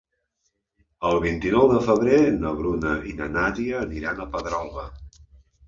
El vint-i-nou de febrer na Bruna i na Nàdia aniran a Pedralba.